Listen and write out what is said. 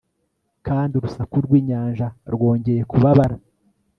kandi urusaku rw'inyanja rwongeye kubabara